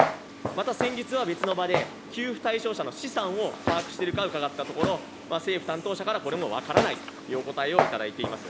また、先日は別の場で、給付対象者の資産を把握しているか伺ったところ、政府担当者からこれも分からないというお答えをいただいています。